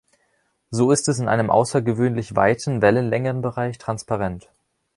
So ist es in einem außergewöhnlich weiten Wellenlängenbereich transparent.